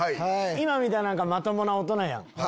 今見たらまともな大人やん。